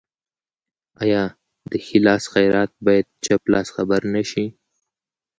آیا د ښي لاس خیرات باید چپ لاس خبر نشي؟